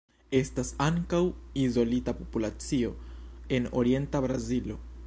Estas ankaŭ izolita populacio en orienta Brazilo.